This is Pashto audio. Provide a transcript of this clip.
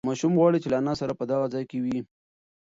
ماشوم غواړي چې له انا سره په دغه ځای کې وي.